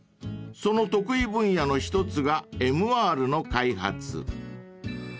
［その得意分野の一つがＭＲの開発］